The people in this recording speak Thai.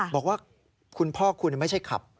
บอกว่าคุณพ่อคุณไม่ใช่ขับ